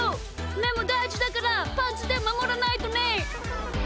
めもだいじだからパンツでまもらないとね！